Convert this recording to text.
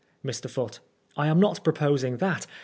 Mr. Foote: I am not proposing that.